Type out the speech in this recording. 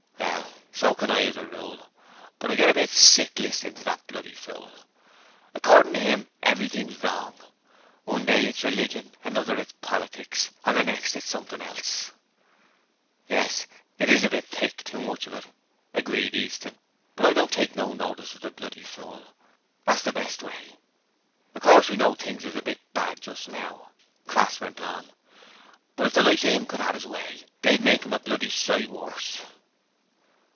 'Well, so can I as a rule, but I get a bit sick listening to that bloody fool. Accordin' to 'im, everything's wrong. One day it's religion, another it's politics, and the next it's something else.' 'Yes, it is a bit thick; too much of it,' agreed Easton, 'but I don't take no notice of the bloody fool: that's the best way.' 'Of course, we know that things is a bit bad just now,' Crass went on, 'but if the likes of 'im could 'ave their own way they'd make 'em a bloody sight worse.'